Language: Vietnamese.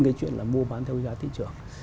cái chuyện là mua bán theo giá thị trường